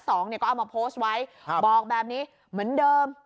ก็เอามาโพสต์ไว้บอกแบบนี้เหมือนเดิม